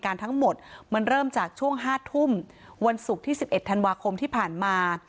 ทั้งหมดมันเริ่มจากช่วง๕ทุ่มวันศุกร์ที่๑๑ธันวาคมที่ผ่านมา